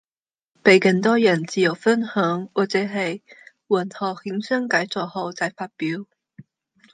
比更多人自由分享，或者係混合衍生改作後再發表